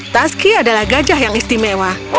taski adalah gajah yang istimewa